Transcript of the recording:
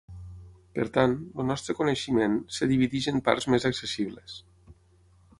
Per tant, el nostre coneixement es divideix en parts més accessibles.